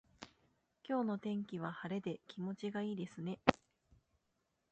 今日の天気は晴れで気持ちがいいですね。